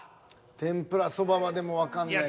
天ぷらそばはでもわかんない。